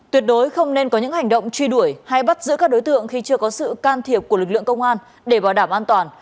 tuyệt đối không nên có những hành động truy đuổi hay bắt giữ các đối tượng khi chưa có sự can thiệp của lực lượng công an để bảo đảm an toàn